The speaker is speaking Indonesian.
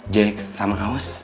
jeks sama aus